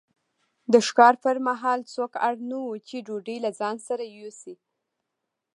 د ښکار پر مهال څوک اړ نه وو چې ډوډۍ له ځان سره یوسي.